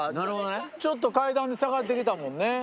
ちょっと階段で下がってきたもんね。